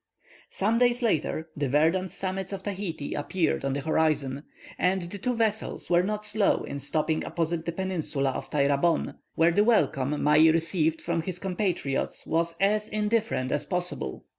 Some days later, the verdant summits of Tahiti appeared on the horizon, and the two vessels were not slow in stopping opposite the peninsula of Tairabon, where the welcome Mai received from his compatriots was as indifferent as possible.